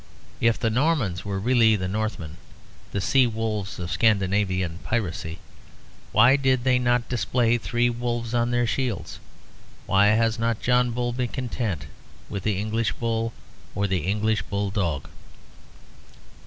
If the Normans were really the Northmen, the sea wolves of Scandinavian piracy, why did they not display three wolves on their shields? Why has not John Bull been content with the English bull, or the English bull dog?